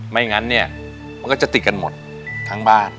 ไม่งั้นเนี่ยมันก็จะติดกันหมดทั้งบ้าน